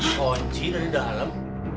kunci dari dalam